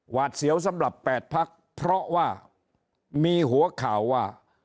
หวาดเสียวสำหรับ๘พักเพราะว่ามีหัวข่าวว่า